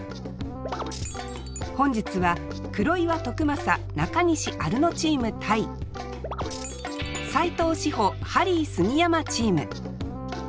本日は黒岩徳将中西アルノチーム対斉藤志歩ハリー杉山チーム。